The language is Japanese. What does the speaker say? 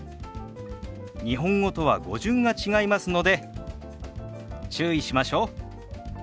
日本語とは語順が違いますので注意しましょう。